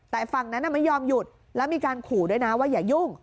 แต่ฝั่งนั้นไม่ยอมหยุดแล้วมีการขู่ด้วยนะว่าอย่ายุ่ง